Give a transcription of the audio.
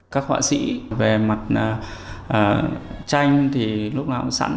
các họa sĩ về mặt tranh thì lúc nào cũng sẵn